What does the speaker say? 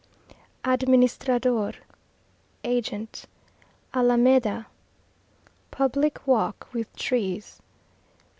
Administrador Agent. Alameda Public walk with trees.